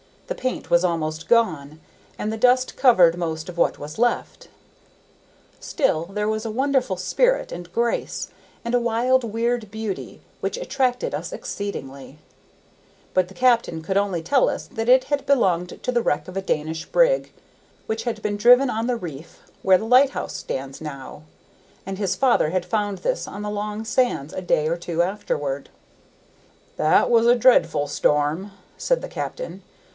The paint was almost gone, and the dust covered most of what was left: still there was a wonderful spirit and grace, and a wild, weird beauty which attracted us exceedingly; but the captain could only tell us that it had belonged to the wreck of a Danish brig which had been driven on the reef where the lighthouse stands now, and his father had found this on the long sands a day or two afterward. "That was a dreadful storm," said the captain.